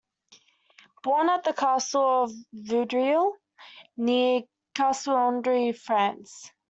Born at the Castle of Vaudreuil, near Castelnaudary, France.